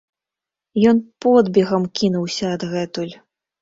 Ён подбегам кінуўся адгэтуль.